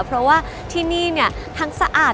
เพราะว่าที่นี่เนี่ยทั้งสะอาด